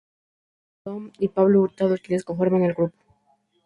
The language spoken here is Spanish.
Hoy son Mario Domm y Pablo Hurtado quienes conforman al grupo.